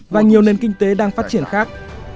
và nhiều nền kinh tế đang phát triển khác